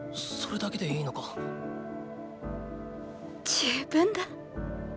十分だっ！